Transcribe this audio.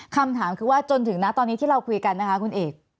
คำถามคือว่าจนถึงนะตอนนี้ที่เราคุยกันนะคะคุณเอก